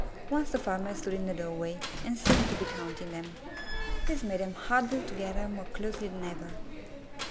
Once the farmer stood in the doorway and seemed to be counting them. This made them huddle together more closely than ever.